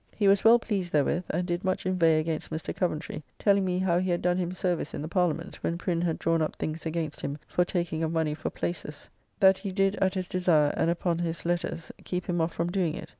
He was well pleased therewith, and did much inveigh against Mr. Coventry; telling me how he had done him service in the Parliament, when Prin had drawn up things against him for taking of money for places; that he did at his desire, and upon his, letters, keep him off from doing it.